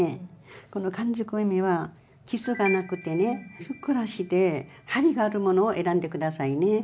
この完熟梅は傷がなくてねふっくらしてハリがあるものを選んでくださいね。